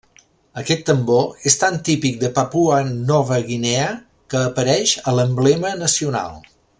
Aquest tambor és tan típic de Papua Nova Guinea que apareix a l'emblema nacional.